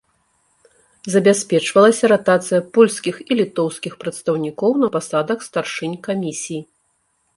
Забяспечвалася ратацыя польскіх і літоўскіх прадстаўнікоў на пасадах старшынь камісій.